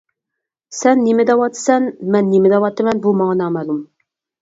سەن نېمە دەۋاتىسەن، مەن نېمە دەۋاتىمەن بۇ ماڭا نامەلۇم.